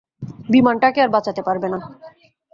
বিমানটাকে আর বাঁচাতে পারবে না।